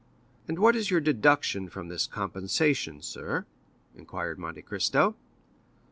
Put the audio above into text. "And what is your deduction from this compensation, sir?" inquired Monte Cristo.